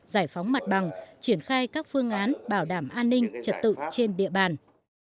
giải phóng mặt bằng triển khai các phương án bảo đảm an ninh trật tự trên địa bàn